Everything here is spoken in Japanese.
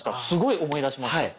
すごい思い出しました。